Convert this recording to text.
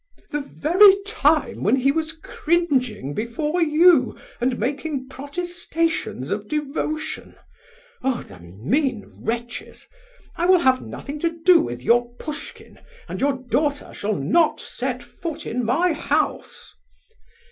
"The very time when he was cringing before you and making protestations of devotion! Oh, the mean wretches! I will have nothing to do with your Pushkin, and your daughter shall not set foot in my house!"